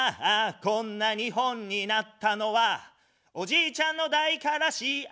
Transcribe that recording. こんな日本になったのは、おじいちゃんの代からＣＩＡ。